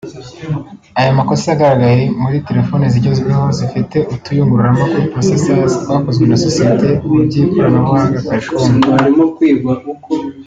Aya makosa yagaragaye muri telefone zigezweho zifite utuyungururamakuru (proccesors) twakozwe na sosiyete mu by’ikoranabuhanga Qualcomm